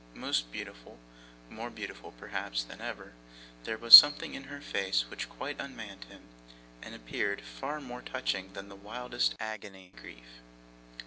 Most beautiful more beautiful, perhaps, than ever there was something in her face which quite unmanned him, and appeared far more touching than the wildest agony of grief.